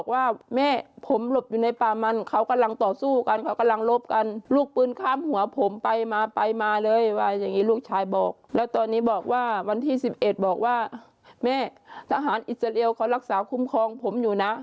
ว่าแม่ทหารอิสเตอร์เลียวเขารักษาคุ้มครองผมอยู่นะ